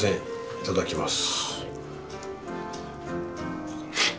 いただきます。